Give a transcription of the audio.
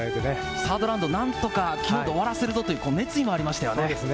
３ｒｄラウンド、何とか昨日で終わらせるぞという熱意がありましたね。